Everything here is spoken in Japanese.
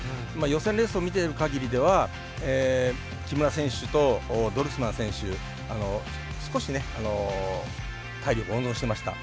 予選レースを見ているかぎりでは木村選手とドルスマン選手少しね、体力温存してました。